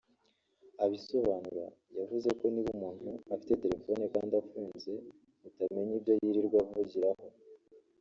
Abisonura yavuze ko niba umuntu afite telefone kandi afunze utamenya ibyo yirirwa avugiraho